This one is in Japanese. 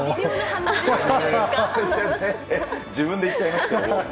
自分で言っちゃいましたよ。